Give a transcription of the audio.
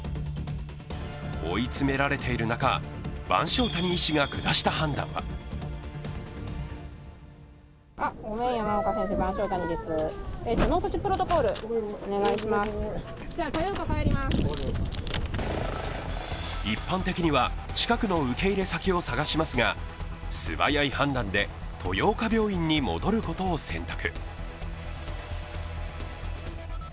追い詰められている中、番匠谷医師が下した判断は一般的には近くの受け入れ先を探しますが、素早い判断で豊岡病院に戻ることを選択。